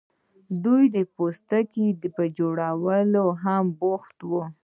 دوی به د پوستکو په جوړولو هم بوخت وو.